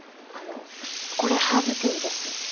あのこれハーブティーです。